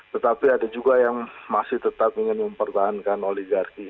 tetapi ada juga yang masih tetap ingin mempertahankan oligarki